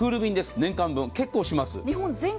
年間分、結構します。